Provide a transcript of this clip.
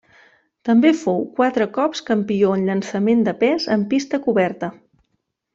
També fou quatre cops campió en llançament de pes en pista coberta.